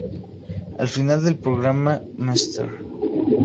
Al final del programa, Mr.